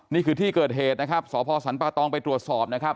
นี่คือที่เกิดเหตุนะครับสพสรรปะตองไปตรวจสอบนะครับ